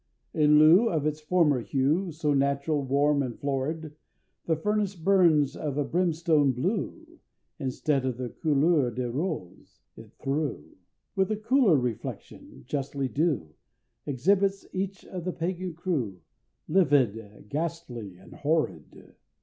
in lieu Of its former hue, So natural, warm, and florid, The Furnace burns of a brimstone blue, And instead of the couleur de rose it threw, With a cooler reflection, justly due Exhibits each of the Pagan crew, Livid, ghastly, and horrid!